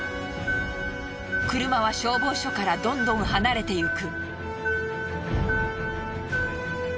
車は消防署からどんどん離れてゆく。